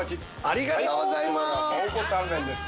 ありがとうございます。